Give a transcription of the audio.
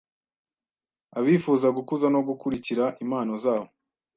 abifuza gukuza no gukurikira impano zabo